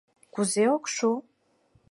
Кузе ок шу?